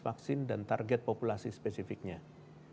vaksin dan target populasi spesifiknya